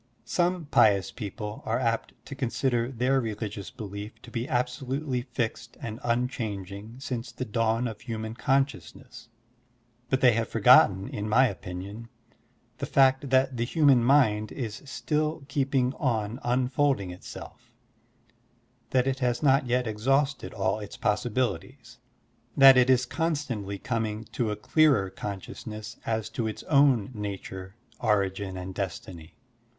Digitized by Google WHAT IS BUDDHISM? 8l Some pious people are apt to consider their religious belief to be absolutely fixed and unchanging since the dawn of human conscious ness; but they have forgotten, in my opinion, the fact that the htmian mind is stHl keeping on unfolding itself, that it has not yet exhausted all its possibiUties, that it is constantly coming to a clearer consciousness as to its own nature, origin, and destiny.